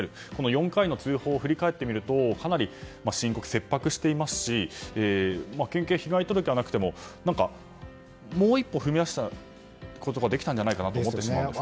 ４回の通報を振り返ってみるとかなり深刻、切迫していますし県警に被害届はなくてももう一歩踏み出したことができたんじゃないかなと思ってしまうんですが。